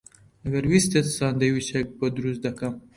ئەگەر ویستت ساندویچێکت بۆ دروست دەکەم.